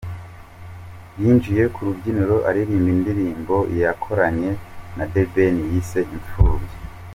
Yinjiye ku rubyiniriro aririmba indirimbo yakoranye na The Ben yise Imfubyi.